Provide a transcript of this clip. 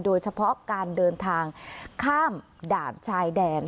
โดยเฉพาะการเดินทางข้ามด่านชายแดน